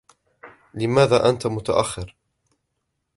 لماذا أنت متأخر ؟